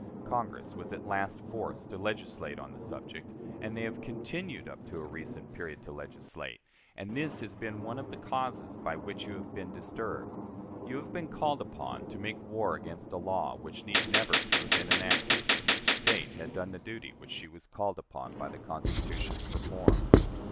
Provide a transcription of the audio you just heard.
Congress was at last forced to legislate on the subject, and they have continued, up to a recent period, to legislate, and this has been one of the causes by which you have been disturbed. You have been called upon to make war against a law which need never to have been enacted, if each State had done the duty which she was called upon by the Constitution to perform.